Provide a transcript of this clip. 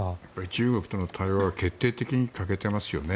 中国との対話が決定的に欠けていますよね。